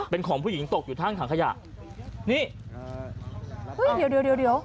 เป็นของผู้หญิงตกอยู่ทางขยะนี่เฮ้ยเดี๋ยว